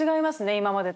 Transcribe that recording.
今までと。